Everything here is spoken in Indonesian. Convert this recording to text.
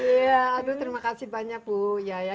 iya aduh terima kasih banyak bu yaya